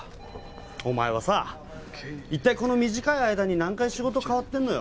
お前はさ一体この短い間に何回仕事変わってんのよ